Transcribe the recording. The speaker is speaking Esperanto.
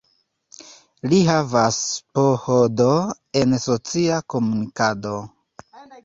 Li havas PhD en socia komunikado.